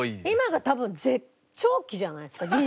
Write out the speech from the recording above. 今が多分絶頂期じゃないですか？